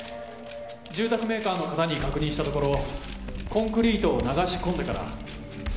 住宅メーカーの方に確認したところコンクリートを流し込んでから。